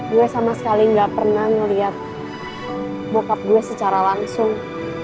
gue sama sekali nggak pernah melihat bokap gue secara langsung